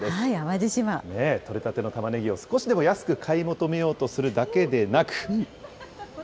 取れたてのたまねぎを少しでも安く買い求めようとするだけでなく。